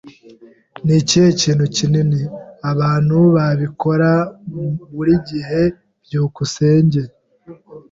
Ni ikihe kintu kinini? Abantu babikora buri gihe. byukusenge